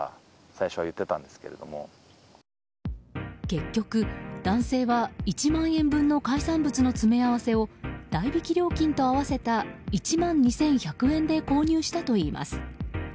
結局、男性は１万円分の海産物の詰め合わせを代引き料金と合わせた１万２１００円で購入したといいます。